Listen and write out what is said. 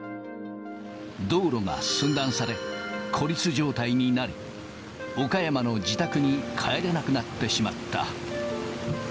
道路が寸断され、孤立状態になり、岡山の自宅に帰れなくなってしまった。